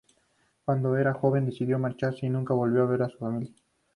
Cuando era joven decidió marcharse y nunca volvió a ver a su familia.